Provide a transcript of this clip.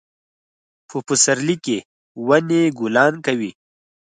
په پسرلي کې ونې ګلان کوي